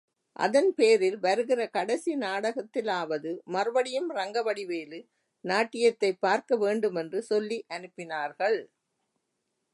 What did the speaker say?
அதன்பேரில் வருகிற கடைசி நாடகத்திலாவது மறுபடியும் ரங்கவடிவேலு நாட்டியத்தைப் பார்க்க வேண்டுமென்று சொல்லியனுப்பினார்கள்.